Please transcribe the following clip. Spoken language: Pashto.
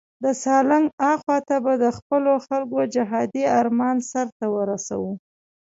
د سالنګ اخواته به د خپلو خلکو جهادي آرمان سرته ورسوو.